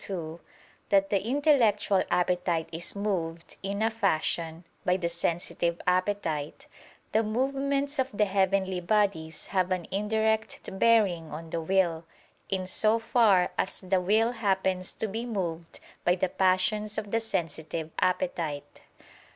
2) that the intellectual appetite is moved, in a fashion, by the sensitive appetite, the movements of the heavenly bodies have an indirect bearing on the will; in so far as the will happens to be moved by the passions of the sensitive appetite.